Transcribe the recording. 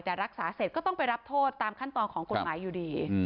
แต่รักษาเสร็จก็ต้องไปรับโทษตามขั้นตอนของกฎหมายอยู่ดี